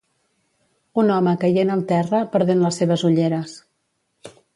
Un home caient al terra, perdent les seves ulleres.